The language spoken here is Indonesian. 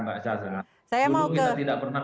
pak zaza dulu kita tidak pernah